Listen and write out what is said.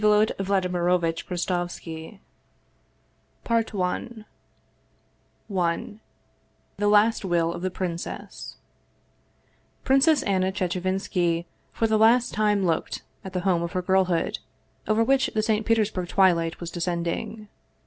179 Vsevolod Vladimirovitch Krestovski Knights of Industry I THE LAST WILL OF THE PRINCESS pRINCESS ANNA CHECHEVINSKI for the last time looked at the home of her girlhood, over which the St. Petersburg twilight was descending.